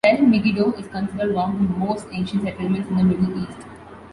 Tel Megiddo is considered one of the most ancient settlements in the Middle East.